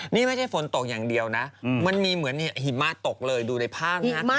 นี่ไม่ใช่ฝนตกอย่างเดียวนะมันมีเหมือนหิมะตกเลยดูในภาพนะฮะ